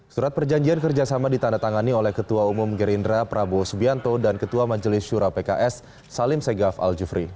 surat perjanjian kerjasama ditandatangani oleh ketua umum gerindra prabowo subianto dan ketua majelis syura pks salim segaf al jufri